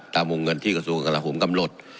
ตามวงเงินที่กระทรวงกราโหมกำหนด